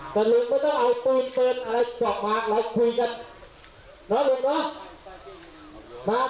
แต่ลุกไม่ต้องเอาตีนเติดอะไรก็ออกมาเราคุยกันเนอะลุกเนอะ